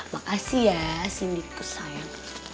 makasih ya sindikus sayang